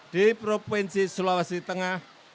di provinsi sulawesi tengah